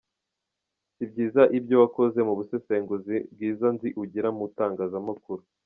Sibyiza ibyo wakoze mubusesenguzi bwiza nzi ugira mu itangazamakuru.